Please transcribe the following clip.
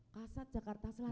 kasat jakarta selatan